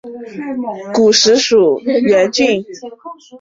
古时属荏原郡衾村。